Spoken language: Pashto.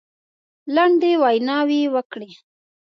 لنډې ویناوي وکړې.